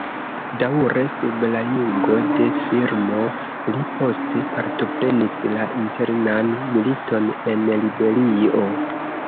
Daŭre sub la jugo de Firmo, li poste partoprenis la internan militon en Liberio.